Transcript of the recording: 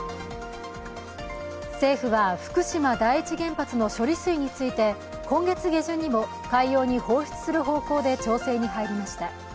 政府は福島第一原発の処理水について、今月下旬も海洋に放出する方向で調整に入りました。